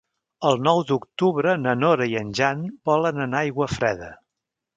El nou d'octubre na Nora i en Jan volen anar a Aiguafreda.